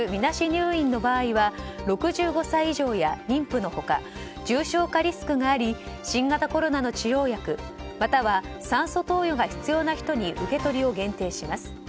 入院の場合は６５歳以上や妊婦の他重症化リスクがあり新型コロナの治療薬または酸素投与が必要な人に受け取りを限定します。